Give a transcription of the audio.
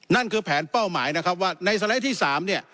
นั่นคือแผนเป้าหมายนะครับว่าในสไลด์ที่๓เนี่ย